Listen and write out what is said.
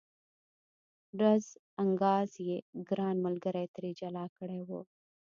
ډز انګاز یې ګران ملګري ترې جلا کړی و.